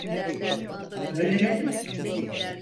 Öğrenelim.